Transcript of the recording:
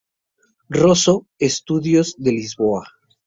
Rosso estudios de Lisboa.